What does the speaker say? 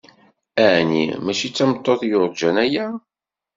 Aɛni mačči d tameṭṭut yurǧan aya?